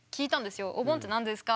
お盆って何ですか？